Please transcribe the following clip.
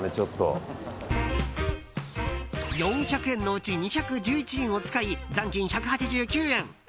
４００円のうち２１１円を使い残金１８９円。